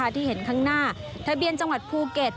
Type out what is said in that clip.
ที่เห็นข้างหน้าทะเบียนจังหวัดภูเก็ต